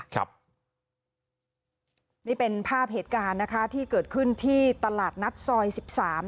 นี่เป็นภาพเหตุการณ์นะคะที่เกิดขึ้นที่ตลาดนัดซอย๑๓